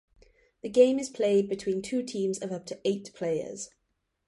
The game is played between two teams of up to eight players.